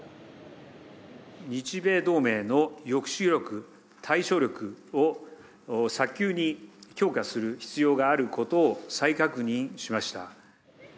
日米同盟の抑止力、対処力を早急に強化する必要があることを再確認しました。